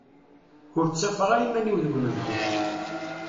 Ur ttafeɣ ara iman-iw deg unebdu.